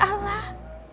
mana yang salah